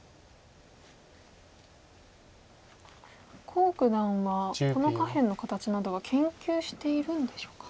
黄九段はこの下辺の形などは研究しているんでしょうか。